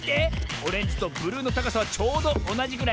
オレンジとブルーのたかさはちょうどおなじぐらい。